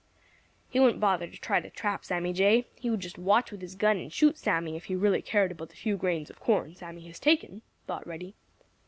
"He wouldn't bother to try to trap Sammy Jay; he would just watch with his gun and shoot Sammy if he really cared about the few grains of corn Sammy has taken," thought Reddy.